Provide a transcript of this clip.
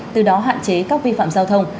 từ đó hạn chế các vi phạm giao thông